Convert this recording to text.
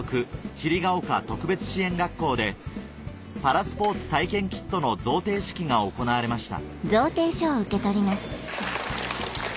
桐が丘特別支援学校でパラスポーツ体験キットの贈呈式が行われました